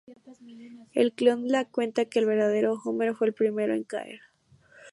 El clon le cuenta que el verdadero Homer fue el primero en caer.